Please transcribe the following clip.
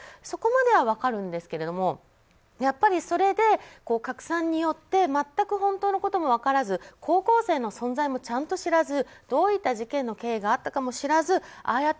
そこまでは分かるんですけどやっぱり拡散によって全く本当のことも分からずに高校生の存在もちゃんと知らずどういった事件の経緯があったのかも知らずああ